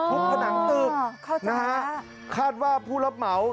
อ๋อเข้าใจนะฮะทุกผนังตึกนะฮะคาดว่าผู้รับเหมา